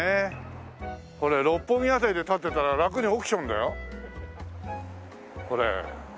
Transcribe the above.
これ六本木辺りで立ってたら楽に億ションだよこれ。